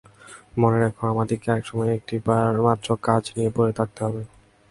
মনে রেখো, আমাদিগকে এক সময় একটিমাত্র কাজ নিয়ে পড়ে থাকতে হবে।